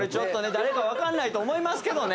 誰かわかんないと思いますけどね